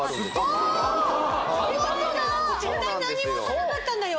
ボタン何も押さなかったんだよ